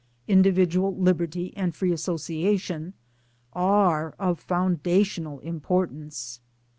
individual liberty and free association are of foundational im portance.